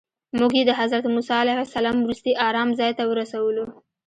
موږ یې د حضرت موسی علیه السلام وروستي ارام ځای ته ورسولو.